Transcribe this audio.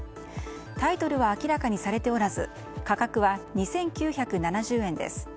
タイトルは明らかにされておらず価格は２９７０円です。